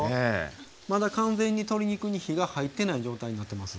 まだ完全に鶏肉に火が入ってない状態になってます。